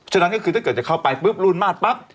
ฉะนั้นก็คือถ้าเกิดจะเข้าไปปุ๊บรูนมาดปั๊บ